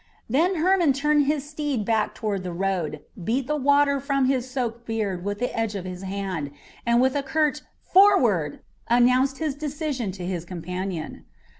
Then Hermon turned his steed back toward the road, beat the water from his soaked beard with the edge of his hand, and with a curt "Forward!" announced his decision to his companion.